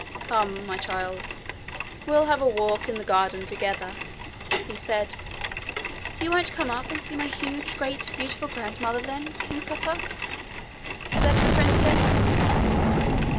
'Come, my child; we'll have a walk in the garden together,' he said. 'You won't come up and see my huge, great, beautiful grandmother, then, king papa?' said the princess.